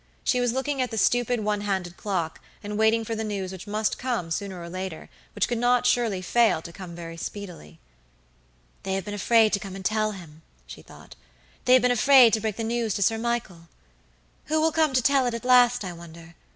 She was looking at the stupid one handed clock, and waiting for the news which must come sooner or later, which could not surely fail to come very speedily. "They have been afraid to come and tell him," she thought; "they have been afraid to break the news to Sir Michael. Who will come to tell it, at last, I wonder?